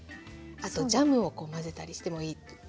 あとジャムを混ぜたりしてもいいと。